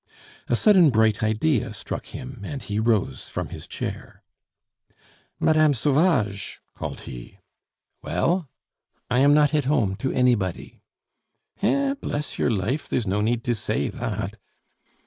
A sudden bright idea struck him, and he rose from his chair. "Mme. Sauvage!" called he. "Well?" "I am not at home to anybody!" "Eh! bless your life, there's no need to say that!"